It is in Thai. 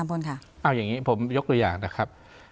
เอาอย่างนี้ผมยกตัวอย่างนะครับ